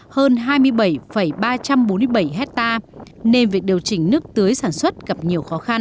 hơn hai mươi bảy ba trăm bốn mươi bảy hectare nên việc điều chỉnh nước tưới sản xuất gặp nhiều khó khăn